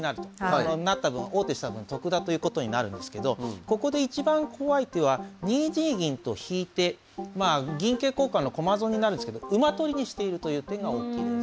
成った分王手した分得だということになるんですけどここで一番怖い手は２二銀と引いて銀桂交換の駒損になるんですけど馬取りにしているという点が大きいです。